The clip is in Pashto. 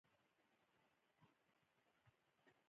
د کېنسر رنځ ډير سو